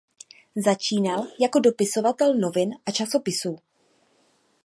Začínal jako dopisovatel novin a časopisů.